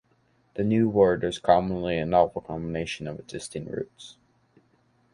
The new word is commonly a novel combination of existing roots.